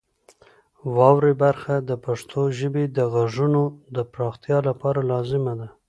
واورئ برخه د پښتو ژبې د غږونو د پراختیا لپاره لازمه ده.